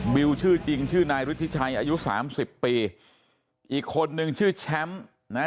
วิวชื่อจริงชื่อนายฤทธิชัยอายุสามสิบปีอีกคนนึงชื่อแชมป์นะฮะ